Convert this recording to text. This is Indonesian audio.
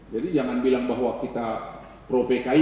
jadi jangan bilang bahwa kita pro pki